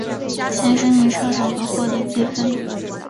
前十名车手可获得积分。